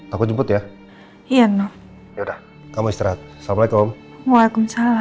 aku jemput ya iya no ya udah kamu istirahat assalamualaikum waalaikumsalam